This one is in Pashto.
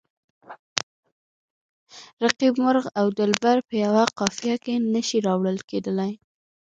رقیب، مرغ او دلبر په یوه قافیه کې نه شي راوړل کیدلای.